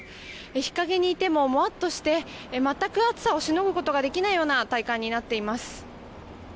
日陰にいても、もわっとして全く暑さをしのぐことができないような体感になっています。